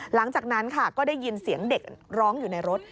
หลังจากนั้นค่ะก็ได้ยินเสียงเด็กร้องอยู่ในรถ